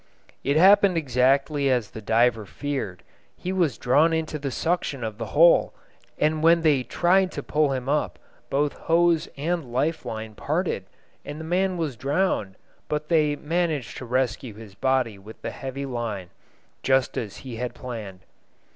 It happened exactly as the diver feared. He was drawn into the suction of the hole, and when they tried to pull him up both hose and life line parted, and the man was drowned, but they managed to rescue his body with the heavy line, just as he had planned.